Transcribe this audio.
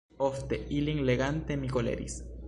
Ofte, ilin legante, mi koleris.